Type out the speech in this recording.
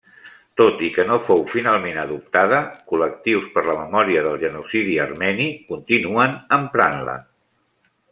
Tot-i-que no fou finalment adoptada, col·lectius per la memòria del Genocidi armeni continuen emprant-la.